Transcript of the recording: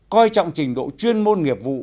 coi trọng trình độ chuyên môn nghiệp vụ